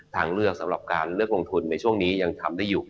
ทางเลือกสำหรับการเลือกลงทุนในช่วงนี้ยังทำได้อยู่